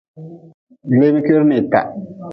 Leemi kwihre n hitah.